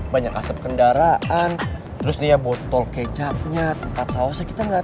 banyak asap kendaraan terus nih ya botol kecapnya tempat sausnya kita gak tau kan